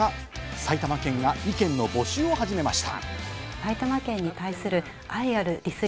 埼玉県が意見の募集を始めました。